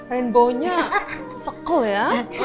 rainbownya sekel ya